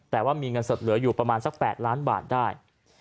แต่ว่ามีเงินสดเหลืออยู่ประมาณสัก๘ล้านบาทได้